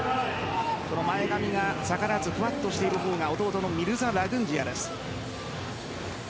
前髪が逆立つふわっとしている方が弟のミルザ・ラグンジヤです。